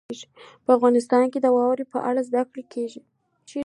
په افغانستان کې د واورې په اړه زده کړه کېږي.